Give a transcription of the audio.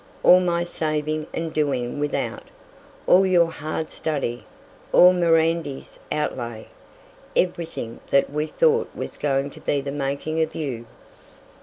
All my saving and doing without; all your hard study; all Mirandy's outlay; everything that we thought was going to be the making of you!"